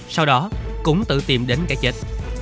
sau đó cũng tự tìm đến cái chết